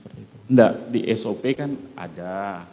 tidak di sop kan ada